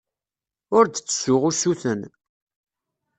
Ur d-ttessuɣ usuten.